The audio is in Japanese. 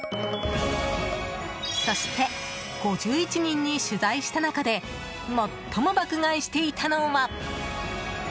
そして、５１人に取材した中で最も爆買いしていたのは。